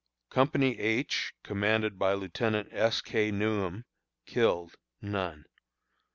Company H, commanded by Lieutenant S. K. Newham. Killed: None.